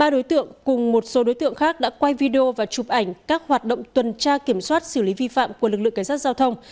ba đối tượng cùng một số đối tượng khác đã quay video và chụp ảnh các hoạt động tuần tra kiểm soát xử lý vi phạm của lực lượng cảnh sát giao thông